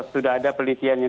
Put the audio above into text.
sudah ada pelisiannya